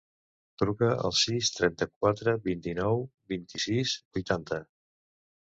Truca al sis, trenta-quatre, vint-i-nou, vint-i-sis, vuitanta.